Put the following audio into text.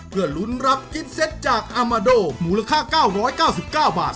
เพื่อลุ้นรับคิดเซ็ทจากอามาโด่หมูราคาเก้าร้อยเก้าสิบเก้าบาท